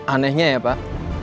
anehnya ya pak